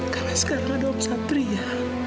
karena sekarang ada om satria